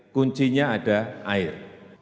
kuncinya ada air